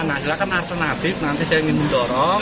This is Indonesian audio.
nah silahkan alternatif nanti saya ingin mendorong